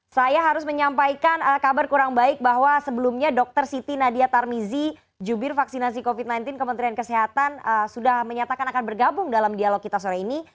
saya harus menyampaikan kabar kurang baik bahwa sebelumnya dr siti nadia tarmizi jubir vaksinasi covid sembilan belas kementerian kesehatan sudah menyatakan akan bergabung dalam dialog kita sore ini